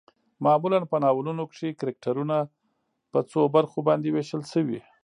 معمولا په ناولونو کې کرکترنه په څو برخو باندې ويشل شوي